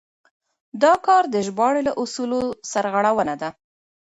دا کار د ژباړې له اصولو سرغړونه ده.